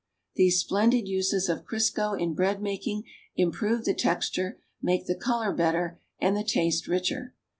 These splendid uses of Crisco in bread baking improve the texture, make the color better and the taste richer.